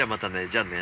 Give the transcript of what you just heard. じゃあね。